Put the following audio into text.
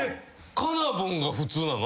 「カナブン」が普通なの？